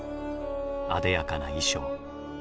あでやかな衣装。